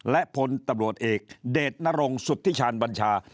และพลตำรวจเอกเดชนรงสุธิชาญบัญชา